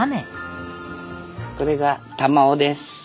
これが玉雄です。